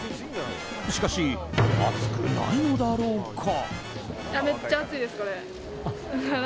しかし、暑くないのだろうか？